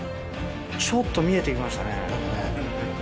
ちょっと見えて来ましたね。